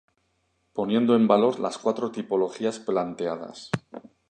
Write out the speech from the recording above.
Poniendo en valor las cuatro tipologías planteadas.